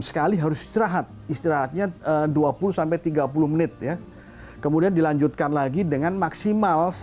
sekali harus istirahat istirahatnya dua puluh tiga puluh menit ya kemudian dilanjutkan lagi dengan maksimal